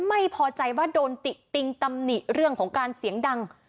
ไม่พอใจว่าโดนติติงตำหนิเรื่องของการเสียงดัง